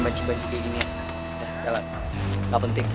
baji baji ini ya kan nggak penting lex